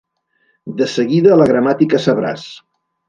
De seguida la gramàtica sabràs.